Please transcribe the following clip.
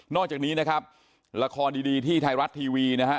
อกจากนี้นะครับละครดีที่ไทยรัฐทีวีนะฮะ